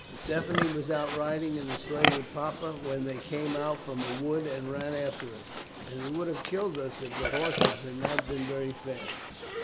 Stephanie was out riding in the sleigh with papa, when they came out from a wood and ran after us, and they would have killed us if the horses had not been very fast.